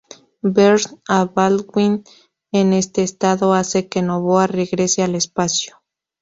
Ver a Baldwin en este estado hace que Nova regrese al espacio.